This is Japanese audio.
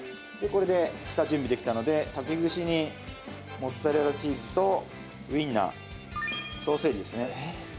これで下準備できたので竹串にモッツァレラチーズとウインナーソーセージですね。